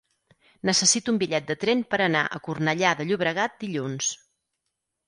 Necessito un bitllet de tren per anar a Cornellà de Llobregat dilluns.